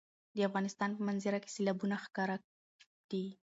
د افغانستان په منظره کې سیلابونه ښکاره دي.